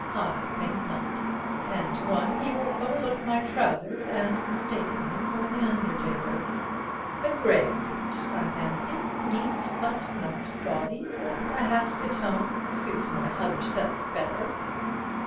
I think not. Ten to one he will overlook my trousers and mistake me for the undertaker. A grey suit, I fancy, neat but not gaudy, with a hat to tone, suits my other self better.